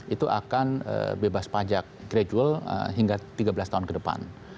itu akan bebas pajak gradual hingga tiga belas tahun ke depan